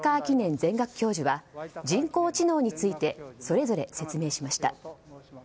記念全学教授は人工知能についてそれぞれ説明しました。